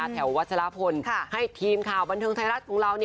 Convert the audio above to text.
วัชลพลให้ทีมข่าวบันเทิงไทยรัฐของเรา